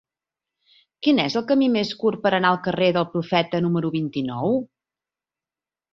Quin és el camí més curt per anar al carrer del Profeta número vint-i-nou?